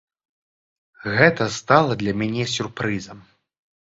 Гэта стала для мяне сюрпрызам.